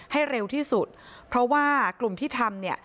ให้เร็วที่สุดเพราะว่ากลุ่มที่ทำเนี่ย